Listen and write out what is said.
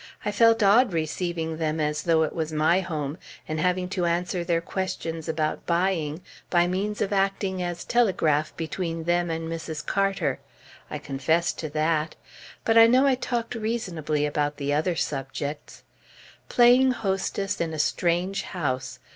I felt odd receiving them as though it was my home, and having to answer their questions about buying, by means of acting as telegraph between them and Mrs. Carter. I confess to that. But I know I talked reasonably about the other subjects. Playing hostess in a strange house!